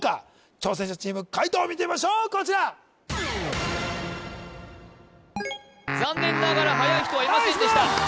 挑戦者チーム解答を見てみましょうこちら残念ながらはやい人はいませんでした